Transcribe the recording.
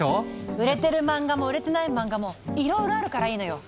売れてる漫画も売れてない漫画もいろいろあるからいいのよ。